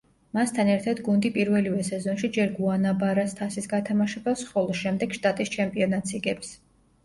მასთან ერთად გუნდი პირველივე სეზონში ჯერ გუანაბარას თასის გათამაშებას, ხოლო შემდეგ შტატის ჩემპიონატს იგებს.